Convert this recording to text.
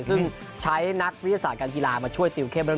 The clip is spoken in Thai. ซึ่งใช้นักวิทยาศาสตร์การกีฬามาช่วยติวเข้มเรื่อง